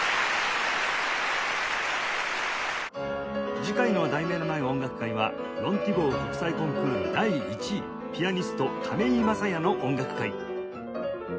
次回の『題名のない音楽会』は「ロン＝ティボー国際コンクール第１位ピアニスト・亀井聖矢の音楽会」